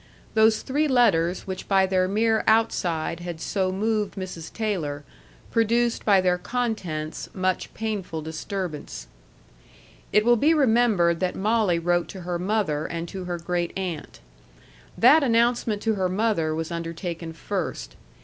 Those three letters which by their mere outside had so moved Mrs. Taylor, produced by their contents much painful disturbance. It will be remembered that Molly wrote to her mother, and to her great aunt. That announcement to her mother was undertaken first.